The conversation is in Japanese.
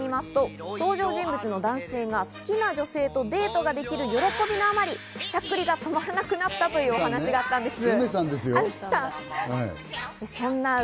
中を見てみますと、登場人物の男性が好きな女性とデートができる喜びのあまり、しゃっくりが止まらなくなったというお話があったんです。